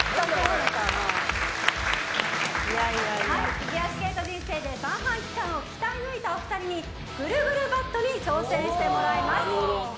フィギュアスケート人生で三半規管を鍛えぬいたお二人にぐるぐるバットに挑戦してもらいます。